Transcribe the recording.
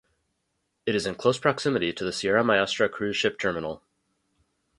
It is in close proximity to the Sierra Maestra cruise ship terminal.